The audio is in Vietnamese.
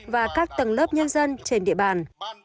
và các tầng lớp nhân dân trên địa bàn